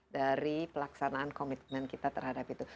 dari pelaksanaan komitmen kita terhadap itu